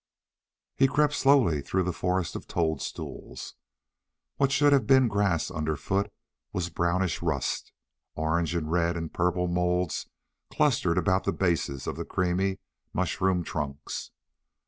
He crept slowly through the forest of toadstools. What should have been grass underfoot was brownish rust. Orange and red and purple moulds clustered about the bases of the creamy mushroom trunks.